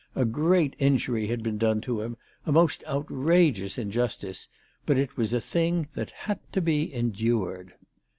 A great injury had been done to him, a most outrageous injustice; but it was a thing which had to be endured.